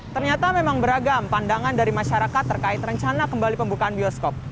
ternyata memang beragam pandangan dari masyarakat terkait rencana kembali pembukaan bioskop